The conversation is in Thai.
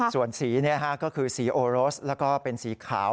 ส่วนสีก็คือสีโอโรสแล้วก็เป็นสีขาว